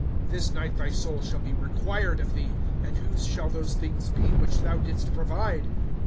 this night thy soul shall be required of thee; and whose shall those things be, which thou didst provide?